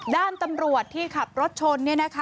ด้านตำรวจที่ขับรถชน